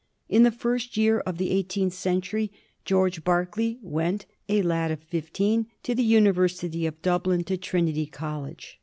In the first year of the eighteenth century George Berkeley went, a lad of fifteen, to the University of Dublin, to Trinity Col lege.